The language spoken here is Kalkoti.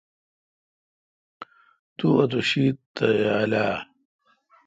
تو اوتو شیت نہ یال اؘ۔